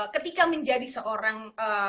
ketika menjadi seorang